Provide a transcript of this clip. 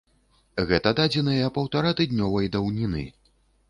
Гэта дадзеныя паўтаратыднёвай даўніны.